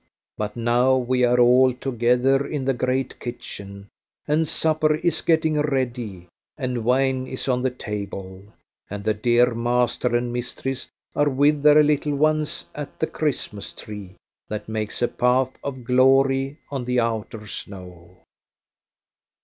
But now we are all together in the great kitchen, and supper is getting ready, and wine is on the table, and the dear master and mistress are with their little ones at the Christmas tree, that makes a path of glory on the outer snow.